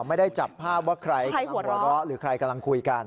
ไม่ได้จับภาพว่าใครกำลังหัวเราะหรือใครกำลังคุยกัน